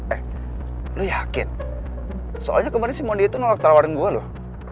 eh lo yakin soalnya kemarin si mondi itu nolak tawarin gue loh